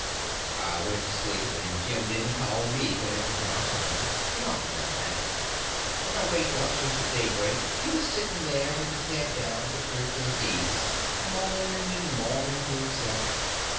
I went to sleep, and Jim didn't call me when it was my turn. He often done that. When I waked up just at daybreak he was sitting there with his head down betwixt his knees, moaning and mourning to himself.